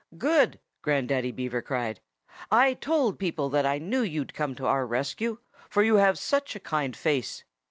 "Good!" Grandaddy Beaver cried. "I told people that I knew you'd come to our rescue, for you have such a kind face!